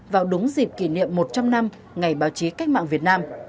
vào đúng dịp kỷ niệm một trăm linh năm ngày báo chí cách mạng việt nam